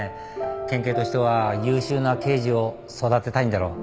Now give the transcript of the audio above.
県警としては優秀な刑事を育てたいんだろ。